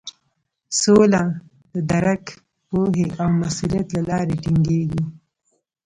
سوله د درک، پوهې او مسولیت له لارې ټینګیږي.